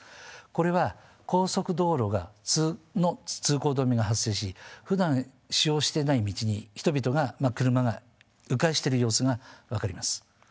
これは高速道路の通行止めが発生しふだん使用してない道に人々がまあ車がう回してる様子が分かります。